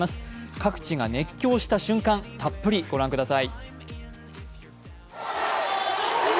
各地が熱狂した瞬間たっぷりご覧ください。